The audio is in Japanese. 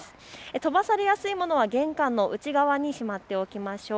飛ばされやすいものは玄関の内側にしまっておきましょう。